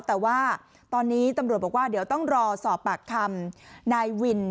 แต่ว่าตอนนี้ตำรวจบอกว่าเดี๋ยวต้องรอสอบปากคำนายวิน